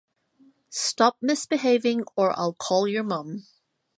Stop misbehaving or I'll call your mom.